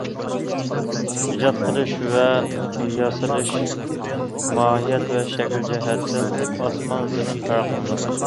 ئىجاد قىلىش ۋە ياسىلىش ماھىيەت ۋە شەكىل جەھەتتىن ئاسمان- زېمىن پەرق قىلىدۇ.